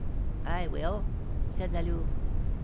'I will!' said La Louve.